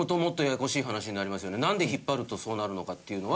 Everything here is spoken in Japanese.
なんで引っ張るとそうなるのかっていうのは。